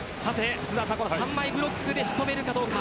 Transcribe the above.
３枚ブロックで仕留めるかどうか。